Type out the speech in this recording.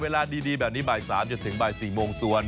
เวลาดีแบบนี้บ่าย๓จนถึงบ่าย๔โมงส่วน